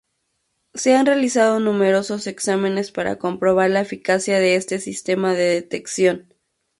Se han realizado numerosos exámenes para comprobar la eficacia de este sistema de detección.